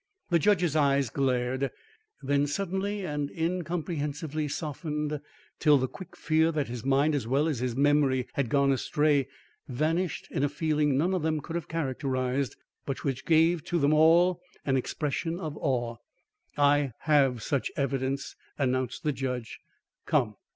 The judge's eyes glared, then suddenly and incomprehensively softened till the quick fear that his mind as well as his memory had gone astray, vanished in a feeling none of them could have characterised, but which gave to them all an expression of awe. "I have such evidence," announced the judge. "Come."